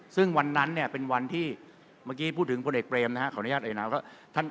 ซึ่งวันนั้นเนี่ยเป็นวันที่เมื่อกี้พูดถึงพลเอกเบรมนะฮะขออนุญาตเอ่ยนามว่า